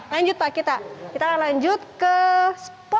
lanjut pak kita kita akan lanjut ke spot